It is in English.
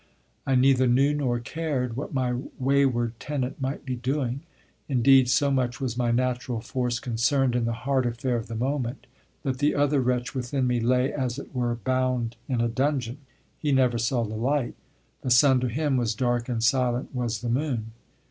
I neither knew nor cared what my wayward tenant might be doing; indeed, so much was my natural force concerned in the heart affair of the moment that the other wretch within me lay as it were bound in a dungeon. He never saw the light. The sun to him was dark and silent was the moon.